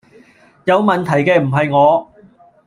有問題既唔係我